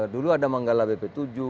dulu ada manggala bp tujuh